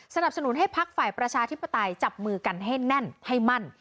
สนับสนุนให้พักฝ่ายประชาธิปไตยจับมือกันให้แน่นให้มั่น